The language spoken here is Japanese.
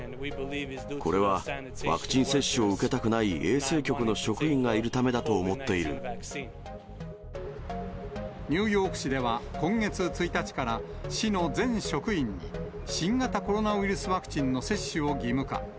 これは、ワクチン接種を受けたくない衛生局の職員がいるためだと思っていニューヨーク市では今月１日から市の全職員に、新型コロナウイルスワクチンの接種を義務化。